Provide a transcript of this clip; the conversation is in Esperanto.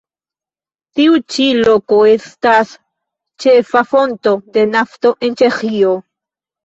Tiu ĉi loko estas ĉefa fonto de nafto en Ĉeĥio.